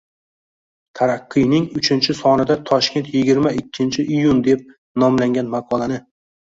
“Taraqqiy”ning uchinchi sonida “Toshkent yigirma ikkinchi iyun” deb nomlangan maqolani